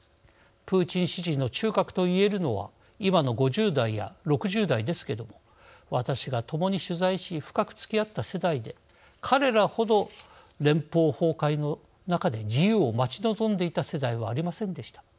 プーチン支持の中核と言えるのは今の５０代や６０代ですけれども私が、ともに取材し深く付き合った世代で彼らほど連邦崩壊の中で自由を待ち望んでいた世代はありませんでした。